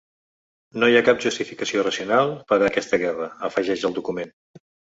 “No hi ha cap justificació racional per a aquesta guerra”, afegeix el document.